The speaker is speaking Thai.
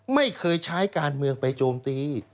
ไม่เคยใช้การเมืองไปโจมตี